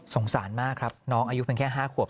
สารมากครับน้องอายุเป็นแค่๕ขวบ